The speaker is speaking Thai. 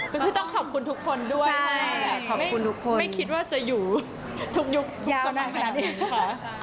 ก็คือต้องขอบคุณทุกคนด้วยไม่คิดว่าจะอยู่ทุกยุคทุกส่วนต่างแหละอีกค่ะ